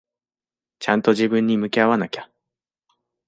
ちゃんと自分に向き合わなきゃ。